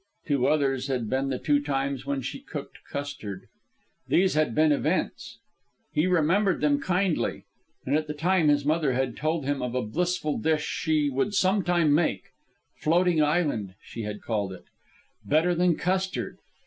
Two others had been the two times when she cooked custard. Those had been events. He remembered them kindly. And at that time his mother had told him of a blissful dish she would sometime make "floating island," she had called it, "better than custard."